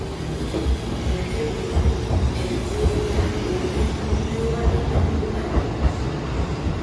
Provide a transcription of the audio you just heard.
O joɗɗini, en njooɗi, o wii : noy waɗi annduɗa ɗum ?